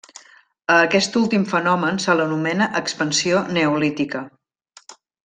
A aquest últim fenomen se l'anomena expansió neolítica.